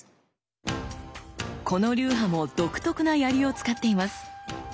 この流派も独特な槍を使っています。